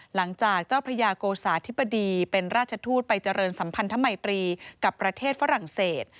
หลังจากเจ้าพระยาโกสาธิบดีเป็นราชทูตไปเจริญสัมพันธมัยตรีกับประเทศฝรั่งเศส